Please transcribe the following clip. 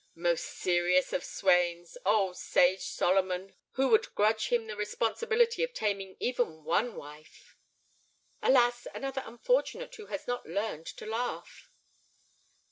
"Most serious of swains! Oh, sage Solomon, who would grudge him the responsibility of taming even one wife!" "Alas, another unfortunate who has not learned to laugh."